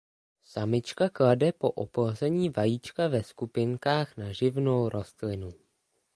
Samička klade po oplození vajíčka ve skupinkách na živnou rostlinu.